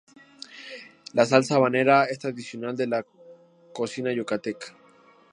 La salsa habanera es tradicional de la cocina yucateca.